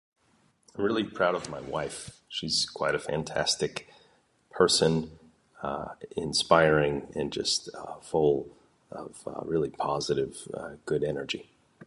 I'm really proud of my wife, she's quite a fantastic person; inspiring, and just full of a really positive a good energy